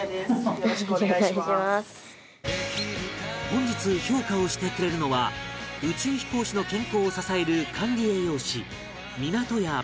本日評価をしてくれるのは宇宙飛行士の健康を支える管理栄養士港屋ますみさん